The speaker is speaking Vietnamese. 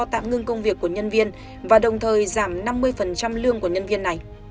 tạm ngưng công việc của nhân viên và đồng thời giảm năm mươi lương của nhân viên này